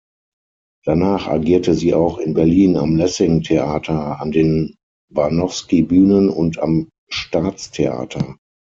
Danach agierte sie auch in Berlin am Lessing-Theater, an den Barnowsky-Bühnen und am Staatstheater.